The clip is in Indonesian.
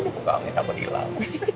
buka angin aku diilang